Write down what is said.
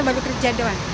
baru kerja doang